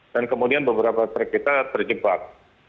dan kemudian beberapa track kita terjebak